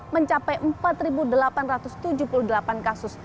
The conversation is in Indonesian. mencapai empat delapan ratus tujuh puluh delapan kasus